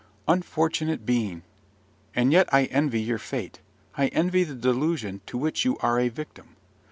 Unfortunate being! And yet I envy your fate: I envy the delusion to which you are a victim.